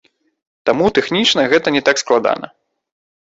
Таму тэхнічна гэта не так складана.